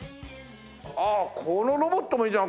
ああこのロボットもいいじゃん。